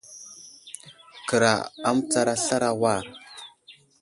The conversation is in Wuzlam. Kəra a mətsar aslar a war.